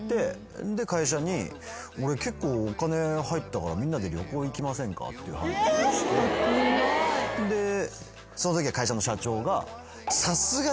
で会社に「俺結構お金入ったからみんなで旅行行きませんか？」でそのときは会社の社長が。